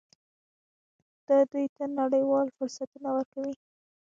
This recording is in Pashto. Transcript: دا دوی ته نړیوال فرصتونه ورکوي.